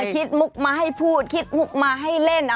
คิดมุกมาให้พูดมาให้เล่น